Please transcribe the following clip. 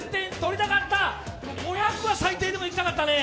５００は最低でもいきたかったね。